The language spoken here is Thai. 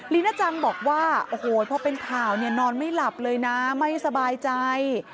น่าจังบอกว่าโอ้โหพอเป็นข่าวเนี่ยนอนไม่หลับเลยนะไม่สบายใจ